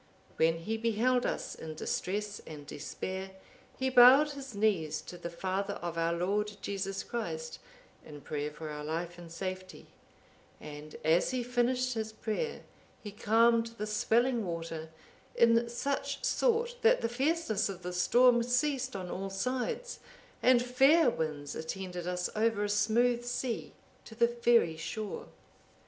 When he beheld us in distress and despair, he bowed his knees to the Father of our Lord Jesus Christ, in prayer for our life and safety; and as he finished his prayer, he calmed the swelling water, in such sort that the fierceness of the storm ceased on all sides, and fair winds attended us over a smooth sea to the very shore.